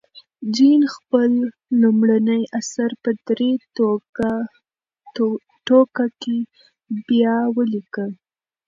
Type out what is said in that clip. جین خپل لومړنی اثر په درې ټوکه کې بیا ولیکه.